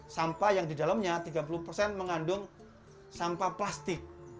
sampah yang di dalamnya tiga puluh persen mengandung sampah plastik